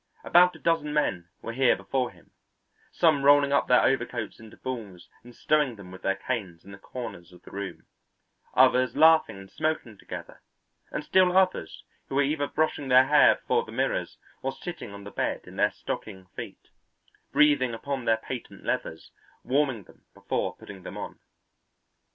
About a dozen men were here before him, some rolling up their overcoats into balls and stowing them with their canes in the corners of the room; others laughing and smoking together, and still others who were either brushing their hair before the mirrors or sitting on the bed in their stocking feet, breathing upon their patent leathers, warming them before putting them on.